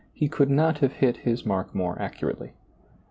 He could not have hit His mark more accurately.